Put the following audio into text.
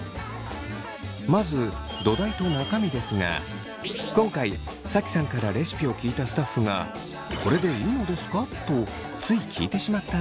まず土台と中身ですが今回Ｓａｋｉさんからレシピを聞いたスタッフが「これでいいのですか？」とつい聞いてしまった内容です。